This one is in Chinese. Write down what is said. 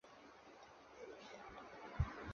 埃奇以任命赫格为州最高法院书记来奖赏他。